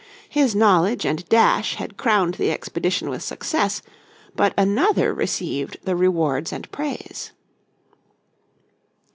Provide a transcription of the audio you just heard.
His knowledge and dash had crowned the expedition with success, but another received the rewards and praise.